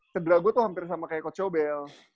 cedera gue tuh hampir sama kayak coach cobel